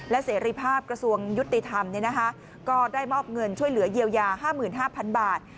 และเสรีภาพกระทรวงยุติธรรมก็ได้มอบเงินช่วยเหลือเยียวยา๕๕๐๐๐บาท